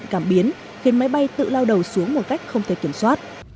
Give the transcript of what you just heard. cảm biến khiến máy bay tự lao đầu xuống một cách không thể kiểm soát